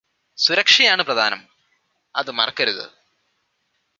സുരക്ഷയാണ് പ്രധാനം അത് മറക്കരുത്